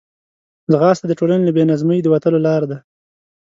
ځغاسته د ټولنې له بې نظمۍ د وتلو لار ده